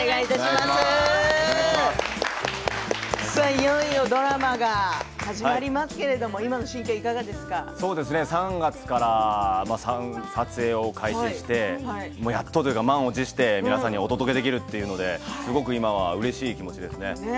いよいよドラマが始まりますけれど今の心境は３月から撮影を開始してやっとというか満を持して皆さんにお届けできるというのですごく今はうれしい気持ちですね。